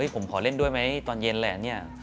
ผมขอเล่นด้วยมั้ยตอนเย็นแหละ